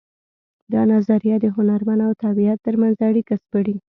دا نظریه د هنرمن او طبیعت ترمنځ اړیکه سپړي